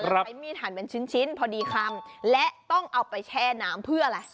ใช้มีดหั่นเป็นชิ้นชิ้นพอดีคำและต้องเอาไปแช่น้ำเพื่ออะไร